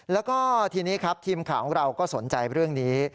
แล้วก็ทีนี้ครับทีมข่าวของเราก็สนใจเรื่องนี้